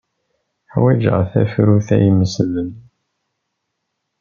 Ḥwajen tafrut ay imesden.